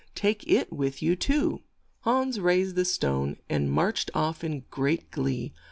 Take it with you too." Hans raised the stone, and marched off in great glee.